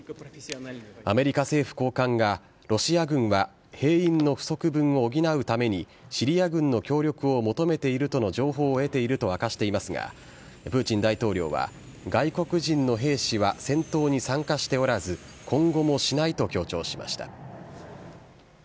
アメリカ政府高官がロシア軍は兵員の不足分を補うために、シリア軍の協力を求めているとの情報を得ていると明かしていますが、プーチン大統領は、外国人の兵士は戦闘に参加しておらず、今後もしないと強調しました。